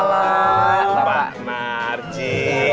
makasih pak narci